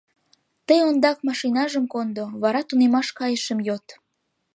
Тый ондак машинажым кондо, вара тунемаш кайышым йод...